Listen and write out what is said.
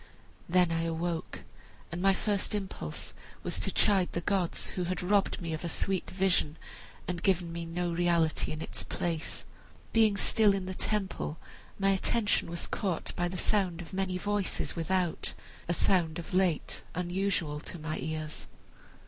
Then I awoke, and my first impulse was to chide the gods who had robbed me of a sweet vision and given me no reality in its place. Being still in the temple, my attention was caught by the sound of many voices without; a sound of late unusual to my ears.